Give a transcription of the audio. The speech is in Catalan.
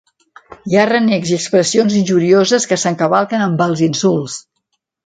Hi ha renecs i expressions injurioses que s'encavalquen amb els insults.